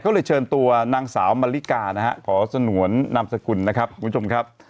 ก็เลยเชิญตัวนางสาวมะลิกานะฮะขอสนวนนามสกุลนะครับคุณผู้ชมครับ